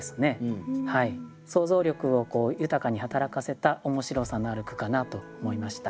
想像力を豊かに働かせた面白さのある句かなと思いました。